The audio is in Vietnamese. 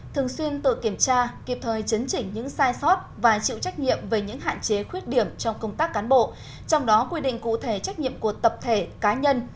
thường xuyên tự kiểm tra kịp thời chấn chỉnh những sai sót và chịu trách nhiệm về những hạn chế khuyết điểm trong công tác cán bộ trong đó quy định cụ thể trách nhiệm của tập thể cá nhân